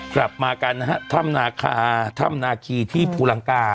กลับมากันนะฮะถ้ำนาคาถ้ำนาคีที่ภูลังกา